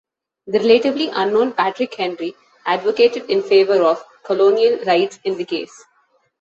The relatively unknown Patrick Henry advocated in favor of colonial rights in the case.